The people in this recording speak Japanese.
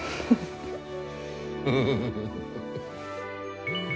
フフフフフ。